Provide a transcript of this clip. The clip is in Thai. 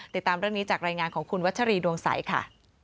ติดตามเรื่องนี้จากรายงานของคุณวัชรีดวงใสค่ะ